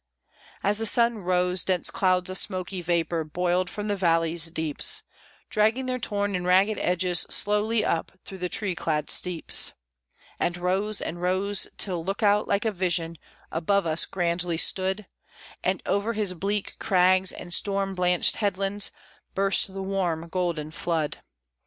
As the sun rose, dense clouds of smoky vapor boiled from the valley's deeps, Dragging their torn and ragged edges slowly up through the tree clad steeps; And rose and rose, till Lookout, like a vision, above us grandly stood, And over his bleak crags and storm blanched headlands burst the warm golden flood.